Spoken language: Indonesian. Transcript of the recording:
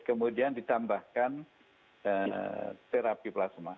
kemudian ditambahkan terapi plasma